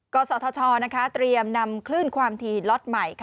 กศธชเตรียมนำคลื่นความถี่ล็อตใหม่